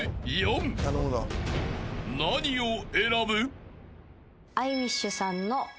［何を選ぶ？］